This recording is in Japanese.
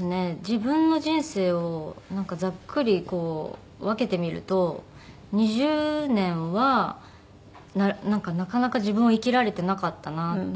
自分の人生をなんかざっくりこう分けてみると２０年はなんかなかなか自分を生きられてなかったなという。